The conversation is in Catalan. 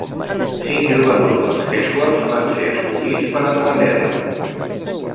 Cinc jugadors dels Casuals van ser escollits per a Anglaterra.